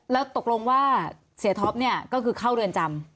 แล้วตกลงว่าเสียท็อปเนี่ยก็คือเข้าเรือนจำ